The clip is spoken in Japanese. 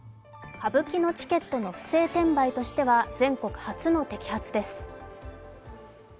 歌舞伎のチケットの不正転売としては全国初の摘発です。